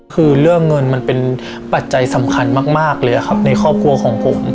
คือเรื่องเงินมันเป็นปัจจัยสำคัญมากเลยครับในครอบครัวของผม